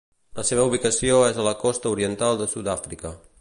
La seva ubicació és a la costa oriental de Sud-àfrica.